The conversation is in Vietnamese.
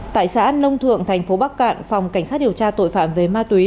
tại xã nông thượng thành phố bắc cạn phòng cảnh sát điều tra tội phạm về ma túy